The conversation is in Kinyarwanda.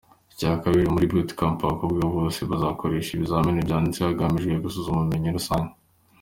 Icya kabiri: Muri Bootcamp; abakobwa bose bazakoreshwa ibizamini byanditse hagamijwe gusuzuma ubumemyi rusange.